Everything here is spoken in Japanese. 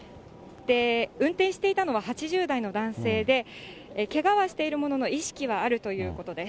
運転していたのは８０代の男性で、けがはしているものの、意識はあるということです。